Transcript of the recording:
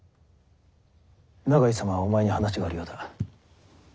永井様はお前に話があるようだ。